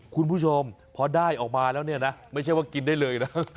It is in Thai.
คุณผู้ชมพอได้ออกมาแล้วเนี่ยนะไม่ใช่ว่ากินได้เลยนะ